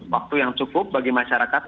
waktu yang cukup bagi masyarakat